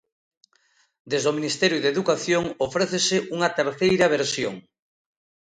Desde o Ministerio de Educación ofrécese unha terceira versión.